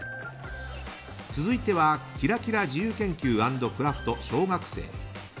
続いては「キラキラ自由研究＆クラフト小学生」。